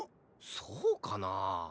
そうかなあ。